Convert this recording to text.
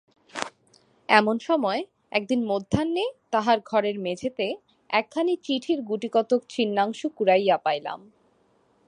এমন সময় একদিন মধ্যাহ্নে তাহার ঘরের মেজেতে একখানি চিঠির গুটিকতক ছিন্নাংশ কুড়াইয়া পাইলাম।